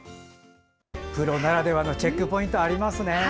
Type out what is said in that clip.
プロならではのチェックポイントありますね。